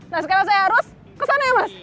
nah sekarang saya harus ke sana ya mas